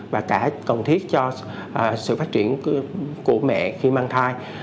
và cả cần thiết cho sự phát triển của mẹ khi mang thai